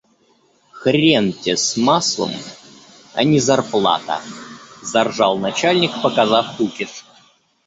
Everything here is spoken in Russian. «Хрен те с маслом, а не зарплата!» — заржал начальник, показав кукиш.